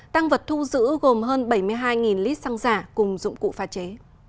tăng vật thu giữ gồm hơn bảy mươi hai lít xăng giả cùng dụng cụ pha chế